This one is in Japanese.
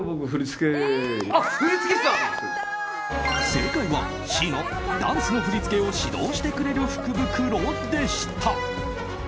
正解はＣのダンスの振り付けを指導してくれる福袋でした！